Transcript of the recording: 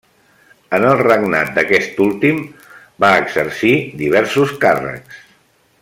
En el regnat d'aquest últim va exercir diversos càrrecs.